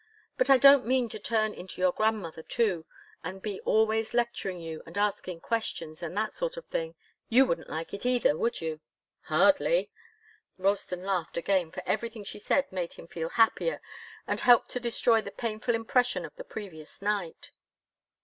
But I don't mean to turn into your grandmother, too, and be always lecturing you and asking questions, and that sort of thing. You wouldn't like it either, would you?" "Hardly!" Ralston laughed again, for everything she said made him feel happier and helped to destroy the painful impression of the previous night.